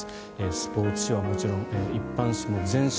スポーツ紙はもちろん一般紙も全紙